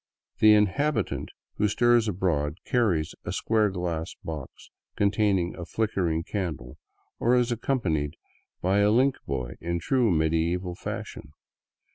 The inhabitant who stirs abroad carries a square glass box containing a flickering candle, or is accompanied by a " linl^ boy," in true medieval fashion.